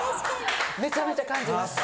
めちゃめちゃ感じました。